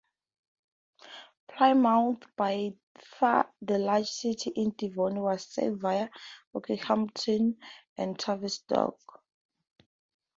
Plymouth, by far the largest city in Devon, was served via Okehampton and Tavistock.